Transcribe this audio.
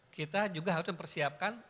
kita juga harus mempersiapkan